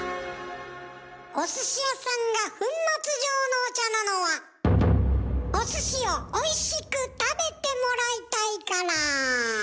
お寿司屋さんが粉末状のお茶なのはお寿司をおいしく食べてもらいたいから。